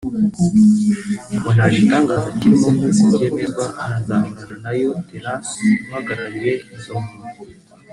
ngo nta gitangaza kirimo nk’uko byemezwa na Nzohabanayo Terrance uhagarariye izo mpunzi